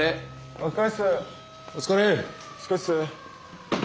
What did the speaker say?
お疲れっす。